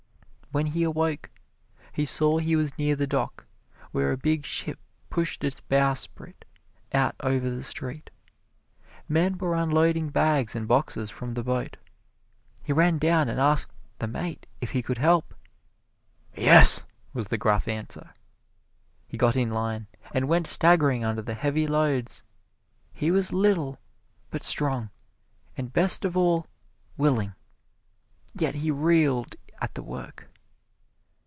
When he awoke he saw he was near the dock, where a big ship pushed its bowsprit out over the street. Men were unloading bags and boxes from the boat. He ran down and asked the mate if he could help. "Yes!" was the gruff answer. He got in line and went staggering under the heavy loads. He was little, but strong, and best of all, willing, yet he reeled at the work.